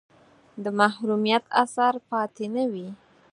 د محرومیت اثر پاتې نه وي.